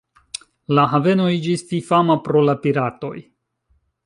La haveno iĝis fifama pro la piratoj.